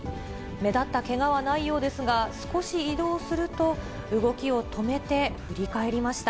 目立ったけがはないようですが、少し移動すると、動きを止めて振り返りました。